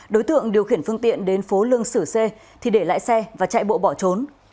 đối tượng điều khiển phương tiện đến phố lương xử xe thì để lại xe và chạy bộ bỏ trốn